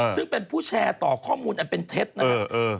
ซึ่งเป็นผู้แชร์ต่อข้อมูลอันเป็นเท็จนะครับ